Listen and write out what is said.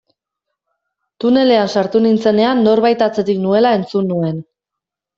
Tunelean sartu nintzenean norbait atzetik nuela entzun nuen.